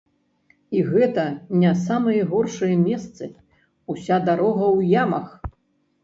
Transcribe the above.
І гэта не самыя горшыя месцы, уся дарога ў ямах.